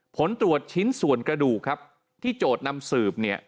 ผลตรวจชิ้นส่วนกระดูกที่โจทย์นำสืบ